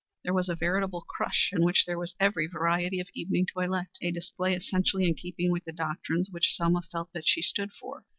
There was a veritable crush, in which there was every variety of evening toilette, a display essentially in keeping with the doctrines which Selma felt that she stood for.